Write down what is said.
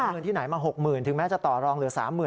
เอาเงินที่ไหนมา๖๐๐๐ถึงแม้จะต่อรองเหลือ๓๐๐๐